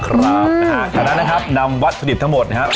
หลังจากนั้นนะครับนำวัตถุดิบทั้งหมดนะครับ